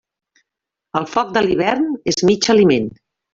El foc de l'hivern és mig aliment.